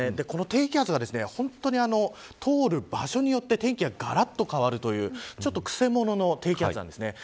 この低気圧が本当に通る場所によって天気ががらっと変わるというくせ者の低気圧なんです。